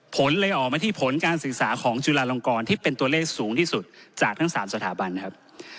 ผลเลยออกมาที่ผลการศึกษาของจุฬาลงกรที่เป็นตัวเลขสูงที่สุดจากทั้ง๓สถาบันนะครับ